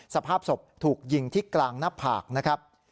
สภาพศพถูกยิงที่กลางหน้าผากนะครับ